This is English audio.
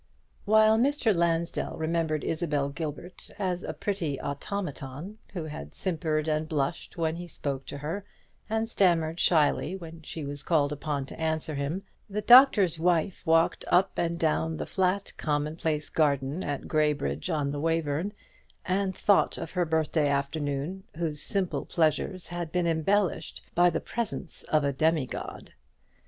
While Mr. Lansdell remembered Isabel Gilbert as a pretty automaton, who had simpered and blushed when he spoke to her, and stammered shyly when she was called upon to answer him, the Doctor's Wife walked up and down the flat commonplace garden at Graybridge on the Wayverne, and thought of her birthday afternoon, whose simple pleasures had been embellished by the presence of a demigod.